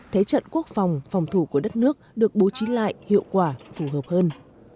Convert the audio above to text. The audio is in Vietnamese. thế trận quốc phòng phòng thủ của đất nước được bố trí lại hiệu quả phù hợp hơn